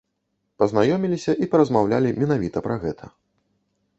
Пазнаёміліся і паразмаўлялі менавіта пра гэта.